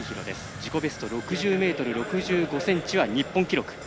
自己ベストは６０ｍ６５ｃｍは日本記録。